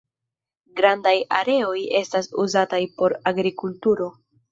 Grandaj areoj estas uzataj por agrikulturo.